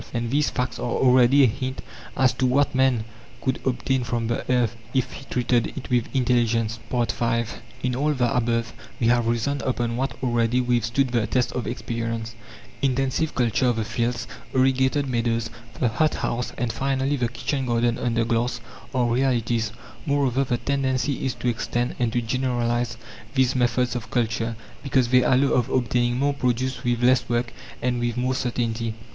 And these facts are already a hint as to what man could obtain from the earth if he treated it with intelligence. V In all the above we have reasoned upon what already withstood the test of experience. Intensive culture of the fields, irrigated meadows, the hot house, and finally the kitchen garden under glass are realities. Moreover, the tendency is to extend and to generalize these methods of culture, because they allow of obtaining more produce with less work and with more certainty.